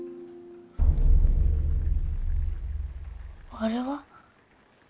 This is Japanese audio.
あれは？